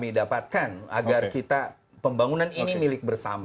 dan kami dapatkan agar kita pembangunan ini milik bersama